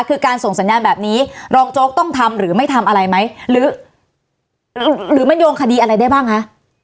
คือการส่งสัญญาณแบบนี้รองโจ๊กต้องทำหรือไม่ทำอะไรไหมหรือมันโยงคดีอะไรได้บ้างคะ